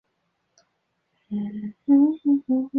他曾作为外交家的身份效力于葡萄牙宫廷。